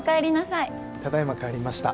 ただ今帰りました。